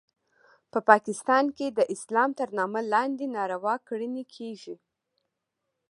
په پاکستان کې د اسلام تر نامه لاندې ناروا کړنې کیږي